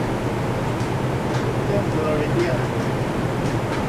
เส้นเมอริเดียน